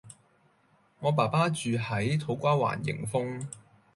我爸爸住喺土瓜灣迎豐